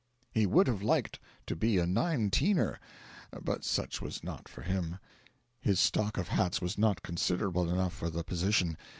He would have liked to be a Nineteener; but such was not for him; his stock of hats was not considerable enough for the position.